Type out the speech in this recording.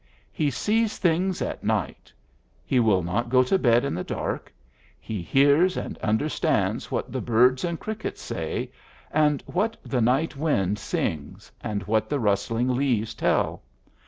He sees things at night; he will not go to bed in the dark; he hears and understands what the birds and crickets say, and what the night wind sings, and what the rustling leaves tell.